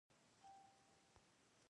خبرې که درنې وي، تاثیر زیات لري